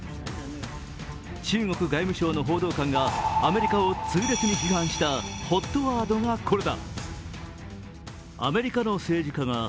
中国外務省の報道官がアメリカを痛烈に批判したＨＯＴワードがこれだ。